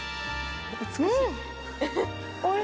うん！